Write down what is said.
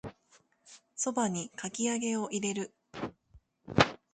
蕎麦にかき揚げを入れる